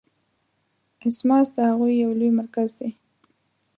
اسماس د هغوی یو لوی مرکز دی.